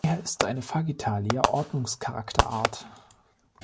Er ist eine Fagetalia-Ordnungscharakterart.